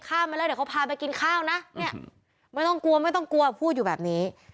ข้ามไปแล้วเดี๋ยวเขาพาไปกินข้าวนะไม่ต้องกลัวพูดอยู่แบบนี้